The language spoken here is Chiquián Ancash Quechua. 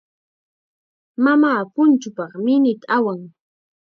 Mamaa punchuupaq minita awan.